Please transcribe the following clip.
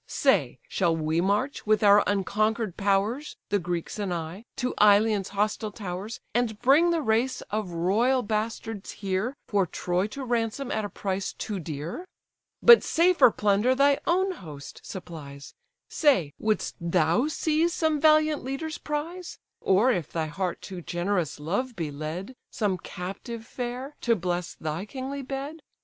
Say, shall we march with our unconquer'd powers (The Greeks and I) to Ilion's hostile towers, And bring the race of royal bastards here, For Troy to ransom at a price too dear? But safer plunder thy own host supplies; Say, wouldst thou seize some valiant leader's prize? Or, if thy heart to generous love be led, Some captive fair, to bless thy kingly bed?